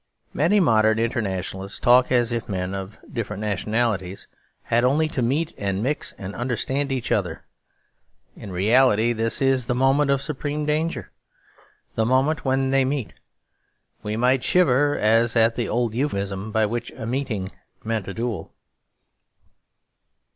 Many modern internationalists talk as if men of different nationalities had only to meet and mix and understand each other. In reality that is the moment of supreme danger the moment when they meet. We might shiver, as at the old euphemism by which a meeting meant a duel.